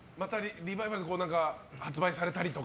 リバイバルか何かで発売されたりとか。